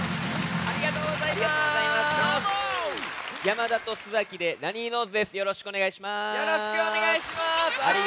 ありがとうございます。